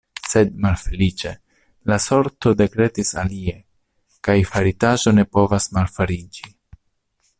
Sed, malfeliĉe, la sorto dekretis alie, kaj faritaĵo ne povas malfariĝi.